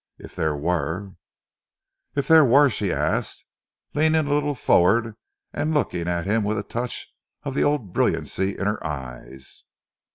"If there were " "If there were?" she asked, leaning a little forward and looking at him with a touch of the old brilliancy in her eyes.